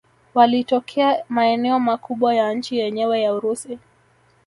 Walioteka maeneo makubwa ya nchi yenyewe ya Urusi